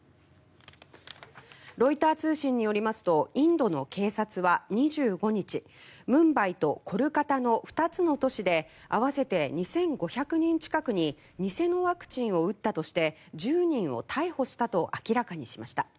ロイター通信によりますとインドの警察は２５日ムンバイとコルカタの２つの都市で合わせて２５００人近くに偽のワクチンを打ったとして１０人を逮捕したと明らかにしました。